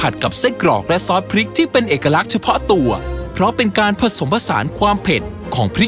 รับรองว่าเด็ดและเผ็ดจัดจ้านถึงใจแน่นอน